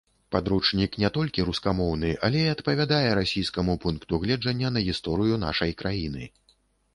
Падручнік не толькі рускамоўны, але і адпавядае расійскаму пункту гледжання на гісторыю нашай краіны.